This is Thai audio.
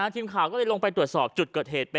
ทีมข่าวก็ลงไปดูดสอบจุดเกิดเหตุ